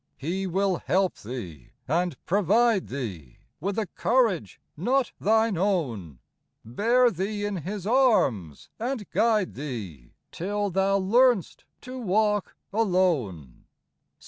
He will help thee, and provide thee With a courage not thine own, Bear thee in His arms, and guide thee, Till thou learn'st to walk alone.